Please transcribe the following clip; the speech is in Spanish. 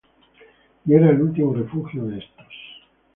Y era el último refugio de estos.